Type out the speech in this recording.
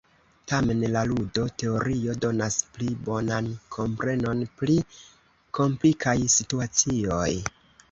Tamen, la ludo-teorio donas pli bonan komprenon pri komplikaj situacioj.